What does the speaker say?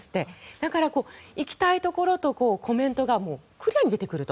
だから行きたいところとコメントが出てくると。